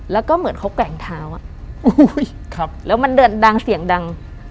แล้วก็เหมือนเขาแกว่งเท้าแล้วมันเดินดังเสียงดัง